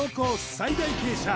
最大傾斜